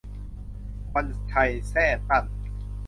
วันชัย แซ่ตัน